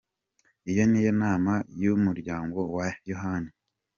Iyo niyo nama y’umuryango wa Yohani.